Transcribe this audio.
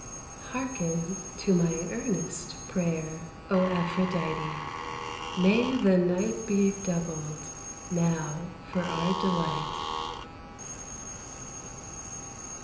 Hearken to my earnest Prayer, O Aphrodite! May the night be doubled Now for our delight.